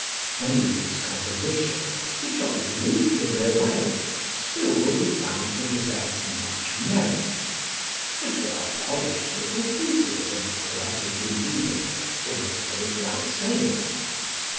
Many of these compositions, which are unique in their way, still will be found to possess much merit. That they are polished little pieces and poetic in feeling almost goes without saying.